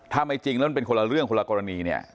ถ้าไม่จริงแล้วมันเป็นคนละเรื่องคนละกรณีเนี่ย